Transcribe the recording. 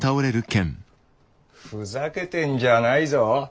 ふざけてんじゃあないぞッ！